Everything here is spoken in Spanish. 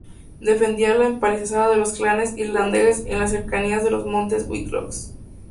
Defendía La empalizada de los clanes irlandeses en las cercanías de los montes Wicklow.